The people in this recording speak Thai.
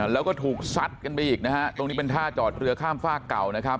แล้วก็ถูกซัดกันไปอีกนะฮะตรงนี้เป็นท่าจอดเรือข้ามฝากเก่านะครับ